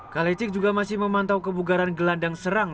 kalecik juga masih memantau kebugaran gelandang serang